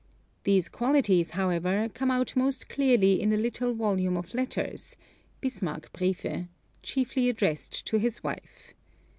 These qualities, however, come out most clearly in a little volume of letters ('Bismarck briefe'), chiefly addressed to his wife.